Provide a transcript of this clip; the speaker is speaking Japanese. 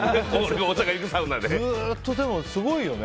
ずっとすごいよね。